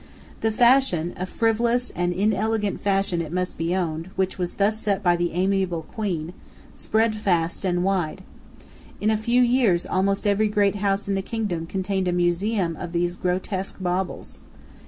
The fashion, a frivolous and inelegant fashion it must be owned, which was thus set by the amiable Queen, spread fast and wide. In a few years almost every great house in the kingdom contained a museum of these grotesque baubles.